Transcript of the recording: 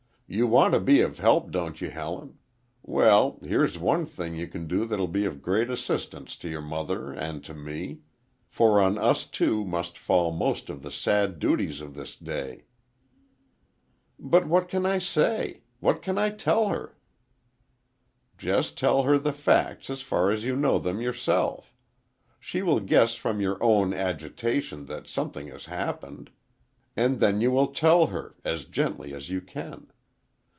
"You want to be of help, don't you Helen? Well, here's one thing you can do that will be of great assistance to your mother and to me. For on us two must fall most of the sad duties of this day." "But what can I say? What can I tell her?" "Just tell her the facts as far as you know them yourself. She will guess from your own agitation that something has happened. And then you will tell her, as gently as you can.